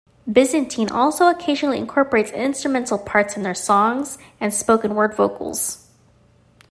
Byzantine also occasionally incorporates instrumental parts in their songs and spoken word vocals.